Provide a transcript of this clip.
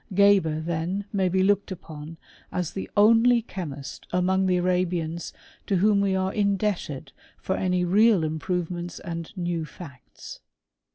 Geber, then, may be looked upon as the only chemist among the Arabians to whom we are indebted for any real improvements and new facts.